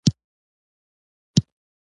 ګیلاس له سپینو لوښو سره ښایسته ښکاري.